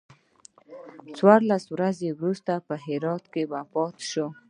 څوارلس ورځې وروسته په هرات کې وفات شو.